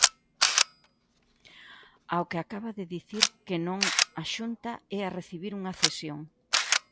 Ao que acaba de dicir que non a Xunta é a recibir unha cesión.